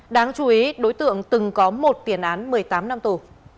đáng chú ý đối tượng từng có một tiền án một mươi tám năm tù